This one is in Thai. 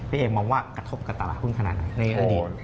เองมองว่ากระทบกับตลาดหุ้นขนาดไหนในอดีต